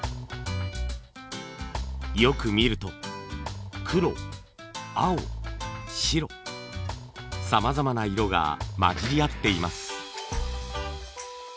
よく見ると黒青白さまざまな色が混じり合っています。